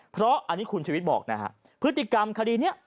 เพราะอันนี้คุณชวิตบอกนะฮะพฤติกรรมคดีนี้